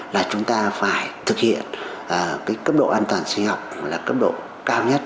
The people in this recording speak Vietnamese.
là chúng ta phải thực hiện cấp độ an toàn sinh học là cấp độ cao nhất